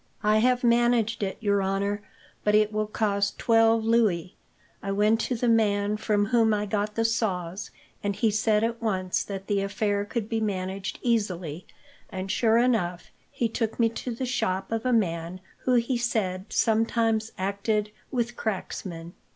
"I have managed it, your honour, but it will cost twelve louis. I went to the man from whom I got the saws, and he said at once that the affair could be managed easily, and, sure enough, he took me to the shop of a man who, he said, sometimes acted with cracksmen.